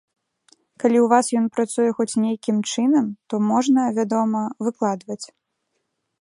Калі ў вас ён працуе хоць нейкім чынам, то можна, вядома, выкладваць.